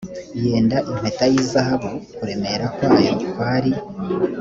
yenda impeta y izahabu kuremera kwayo kwari